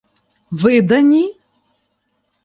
— Видані?!